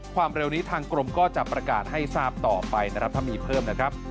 ความเร็วนี้ทางกรมก็จะประกาศให้ทราบต่อไปนะครับถ้ามีเพิ่มนะครับ